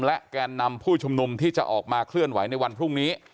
และแกนนำผู้ชุมนุมที่จะออกมาเคลื่อนไหวในวันพรุ่งนี้